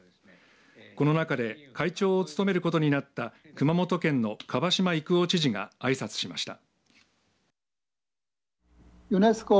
この中で会長を務めることになった熊本県の蒲島郁夫知事があいさつしました。